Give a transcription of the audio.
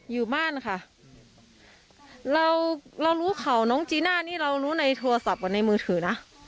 อยู่บ้านค่ะเราเรารู้ข่าวน้องจีน่านี่เรารู้ในโทรศัพท์กับในมือถือนะ